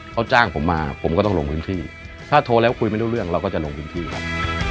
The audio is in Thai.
เขาจ้างผมมาผมก็ต้องลงพื้นที่ถ้าโทรแล้วคุยไม่รู้เรื่องเราก็จะลงพื้นที่ครับ